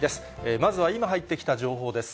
まずは今入ってきた情報です。